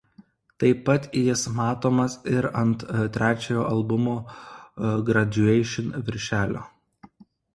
Taip pat jis matomas ir ant trečiojo albumo „Graduation“ viršelio.